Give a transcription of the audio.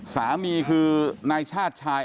สามีคือนายชาติชาย